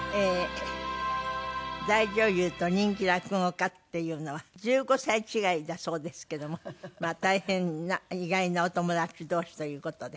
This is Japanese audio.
大女優と人気落語家っていうのは１５歳違いだそうですけどもまあ大変な意外なお友達同士という事で。